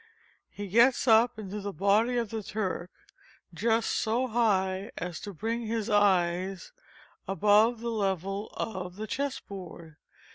He gets up into the body of the Turk just so high as to bring his eyes above the level of the chess board.